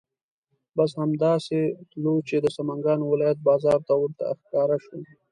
بس همدا سې تلو چې د سمنګانو ولایت بازار ورته ښکاره شو.